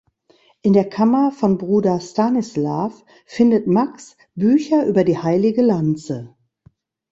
In der Kammer von Bruder Stanislav findet Max Bücher über die Heilige Lanze.